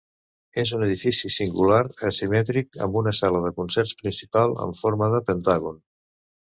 És un edifici singular, asimètric, amb una sala de concerts principal en forma de pentàgon.